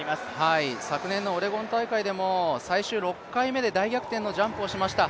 昨年のオレゴン大会でも大逆転のジャンプを出しました。